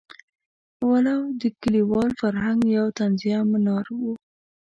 ولو د کلیوال فرهنګ یو طنزیه منار وو.